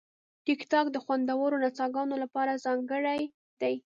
ټیکټاک د خوندورو نڅاګانو لپاره ځانګړی دی.